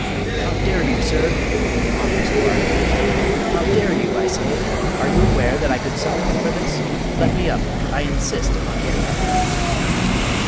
"How dare you, sir?" he almost barked, "how dare you, I say? Are you aware that I could summon you for this? Let me up. I insist upon getting up!"